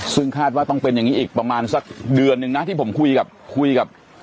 ซึ่งคาดว่าต้องเป็นอย่างนี้อีกประมาณสักเดือนนึงนะที่ผมคุยกับคุยกับ